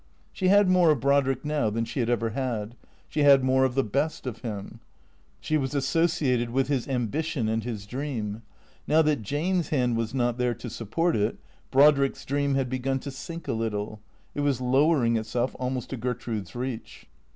She had more of Brodrick now than she had ever had; she had more of the best of him. She was associated with his ambi tion and his dream. Now that Jane's hand was not there to support it, Brodrick's dream had begun to sink a little, it was lowering itself almost to Gertrude's reach.